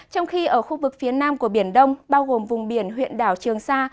trong khi ở khu vực phía nam của biển đông bao gồm vùng biển huyện đảo trường sa